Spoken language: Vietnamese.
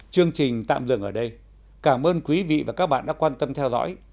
chương trình tạm dừng ở đây cảm ơn quý vị và các bạn đã quan tâm theo dõi